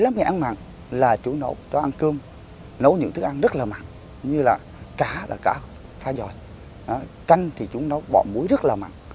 một mươi năm ngày ăn mặn là chúng nấu cho ăn cơm nấu những thức ăn rất là mặn như là cá cá pha giòi canh thì chúng nấu bọ muối rất là mặn